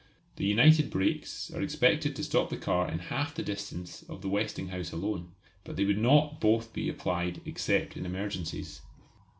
The united brakes are expected to stop the car in half the distance of the Westinghouse alone; but they would not both be applied except in emergencies.